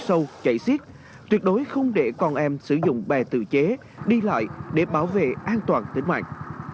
sâu chạy xiết tuyệt đối không để con em sử dụng bè tự chế đi lại để bảo vệ an toàn tình mạng